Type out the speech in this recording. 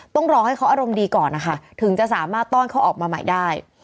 ต้องรอให้เขาอารมณ์ดีก่อนนะคะถึงจะสามารถต้อนเขาออกมาใหม่ได้